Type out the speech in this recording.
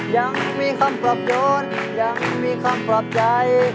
ยังมีคำปลอบโยนยังมีคำปลอบใจ